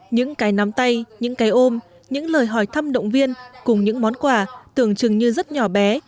những cái nắm tay những cái ôm những lời hỏi thăm động viên cùng những món quà tưởng chừng như rất nhỏ bé